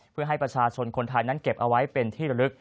เพื่อให้ประชาชนคนไทยนั้นเก็บเอาไว้เป็นที่ระลึก